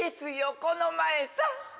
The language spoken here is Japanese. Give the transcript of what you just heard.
この前さっ！